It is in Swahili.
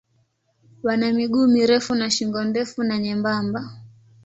Wana miguu mirefu na shingo ndefu na nyembamba.